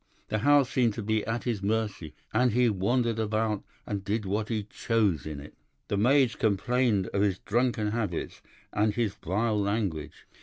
The house seemed to be at his mercy, and he wandered about and did what he chose in it. The maids complained of his drunken habits and his vile language.